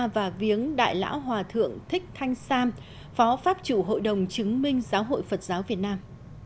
và viếng đại lão hòa thượng thích thanh sam phó pháp chủ hội đồng chứng minh giáo hội phật giáo việt nam